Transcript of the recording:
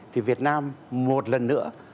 thì việt nam một lần nữa